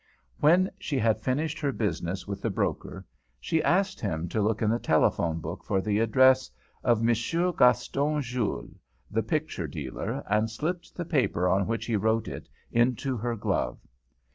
When she had finished her business with the broker, she asked him to look in the telephone book for the address of M. Gaston Jules, the picture dealer, and slipped the paper on which he wrote it into her glove.